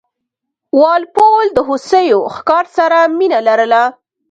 وال پول د هوسیو ښکار سره مینه لرله.